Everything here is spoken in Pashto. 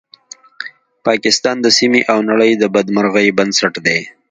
پاکستان د سیمې او نړۍ د بدمرغۍ بنسټ دی